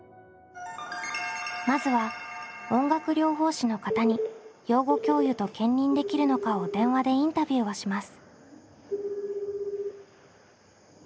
まずは音楽療法士の方に養護教諭と兼任できるのかを電話でインタビューをします。